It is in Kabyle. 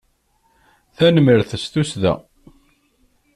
Tanemmirt s tussda.